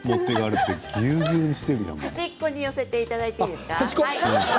端っこに寄せていただいていいですか。